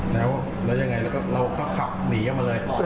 แล้วอย่างไรเราก็ขับหนีออกมาเลย